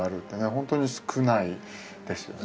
ホントに少ないですよね